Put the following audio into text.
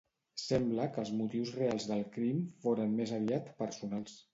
Sembla que els motius reals del crim foren més aviat personals.